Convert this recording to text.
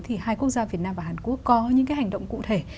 thì hai quốc gia việt nam và hàn quốc có những cái hành động cụ thể